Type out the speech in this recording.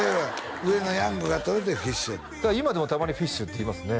上のヤングが取れてフィッシュだから今でもたまにフィッシュって言いますね